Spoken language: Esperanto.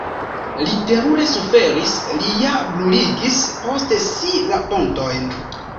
Li terure suferis, li ja bruligis post si la pontojn.